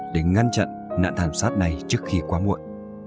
để ngăn chặn nạn thảm sát này trước khi quá muộn